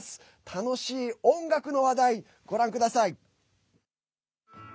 楽しい音楽の話題、ご覧ください。